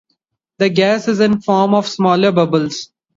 The gas is in the form of smaller bubbles.